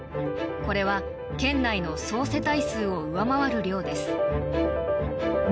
これは県内の総世帯数を上回る量です。